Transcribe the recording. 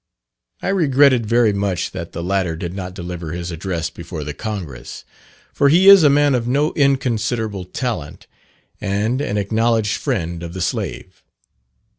I regretted very much that the latter did not deliver his address before the Congress, for he is a man of no inconsiderable talent, and an acknowledged friend of the slave.